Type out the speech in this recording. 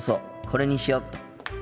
これにしよっと。